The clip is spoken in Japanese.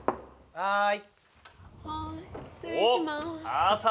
はい。